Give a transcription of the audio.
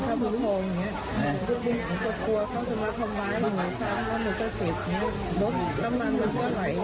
แล้วมันก็เจ็บยังบอกตำลางมันก็ไหล